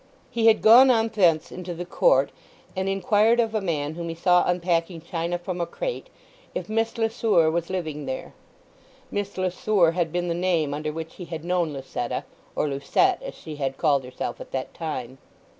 He had gone on thence into the court, and inquired of a man whom he saw unpacking china from a crate if Miss Le Sueur was living there. Miss Le Sueur had been the name under which he had known Lucetta—or "Lucette," as she had called herself at that time.